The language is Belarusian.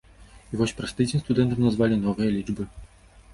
І вось праз тыдзень студэнтам назвалі новыя лічбы.